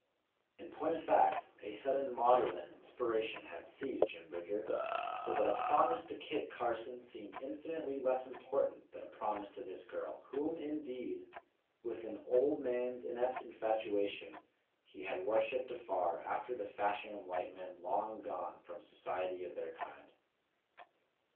In point of fact, a sudden maudlin inspiration had seized Jim Bridger, so that a promise to Kit Carson seemed infinitely less important than a promise to this girl, whom, indeed, with an old man's inept infatuation, he had worshiped afar after the fashion of white men long gone from society of their kind.